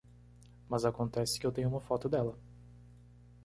Mas acontece que eu tenho uma foto dela.